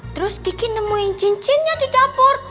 terus gigi nemuin cincinnya di dapur